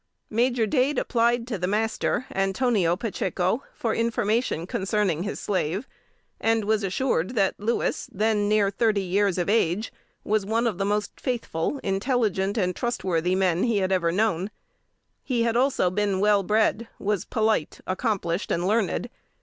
Major Dade applied to the master, Antonio Pacheco, for information concerning his slave, and was assured that Louis, then near thirty years of age, was one of the most faithful, intelligent, and trustworthy men he had ever known. He had also been well bred, was polite, accomplished, and learned.